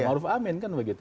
ma'ruf amin kan begitu